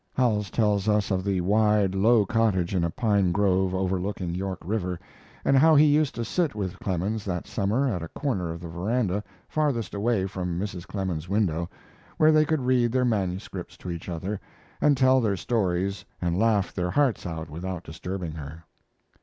Howells tells us of the wide, low cottage in a pine grove overlooking York River, and how he used to sit with Clemens that summer at a corner of the veranda farthest away from Mrs. Clemens's window, where they could read their manuscripts to each other, and tell their stories and laugh their hearts out without disturbing her.